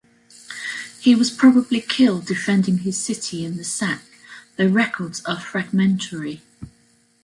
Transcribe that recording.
He was probably killed defending his city in the sack, though records are fragmentary.